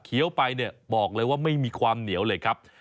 ไปเนี่ยบอกเลยว่าไม่มีความเหนียวเลยครับ